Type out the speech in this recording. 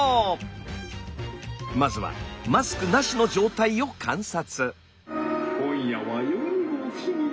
まずはマスクなしの状態を観察。